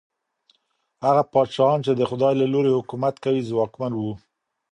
هغه پاچاهان چي د خدای له لورې حکومت کوي، ځواکمن وو.